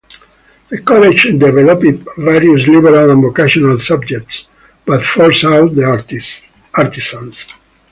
The college developed various liberal and vocational subjects, but forced out the artisans.